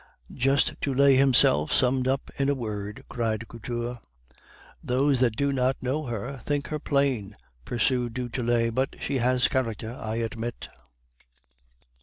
"Just du Tillet himself summed up in a word!" cried Couture. "'Those that do not know her may think her plain,' pursued du Tillet, 'but she has character, I admit.